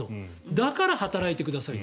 だから働いてくださいと。